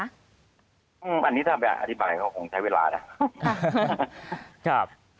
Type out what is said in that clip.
อันนี้ถ้าบรรยาต่ออธิบายก็คงใช้เวลานะ